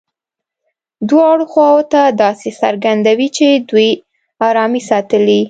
دواړو خواوو ته داسې څرګندوي چې دوی ارامي ساتلې.